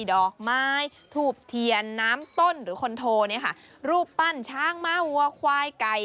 ดอกไม้ทูบเทียนน้ำต้นหรือคอนโทเนี่ยค่ะรูปปั้นช้างเมาวัวควายไก่